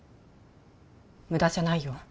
無駄じゃないよ